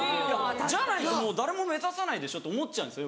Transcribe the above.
じゃないと誰も目指さないでしょって思っちゃうんですよ